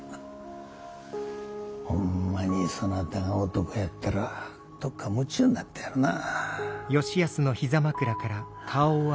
ほんまにそなたが男やったら徳子も夢中になったやろなぁ。